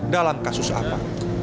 dalam kasus apa